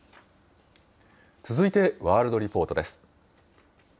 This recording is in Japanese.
続いてワールドリポートです。